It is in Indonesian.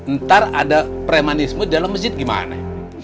ntar ada premanismu dalam masjid gimana